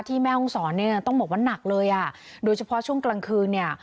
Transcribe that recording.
แม่ห้องศรเนี่ยต้องบอกว่าหนักเลยอ่ะโดยเฉพาะช่วงกลางคืนเนี่ย